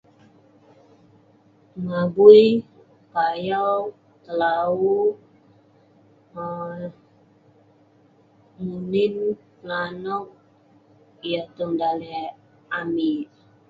Mabui, payau, telawu um munin, pelanok yah tong daleh amik..